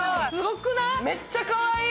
めっちゃかわいい。